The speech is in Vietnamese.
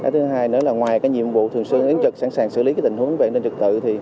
thứ hai nữa là ngoài nhiệm vụ thường xuyên ứng trực sẵn sàng xử lý tình huống về an ninh trực tự